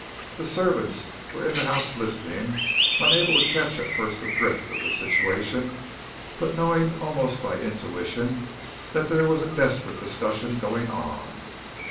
The servants were in the house listening, unable to catch at first the drift of the situation, but knowing almost by intuition that there was a desperate discussion going on.